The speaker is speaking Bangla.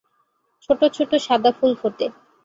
ছোট ছোট সাদা ফুল ফোটে।